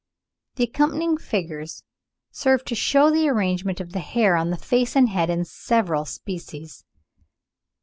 The accompanying figures (Figs. 72 to 76) serve to shew the arrangement of the hair on the face and head in several species.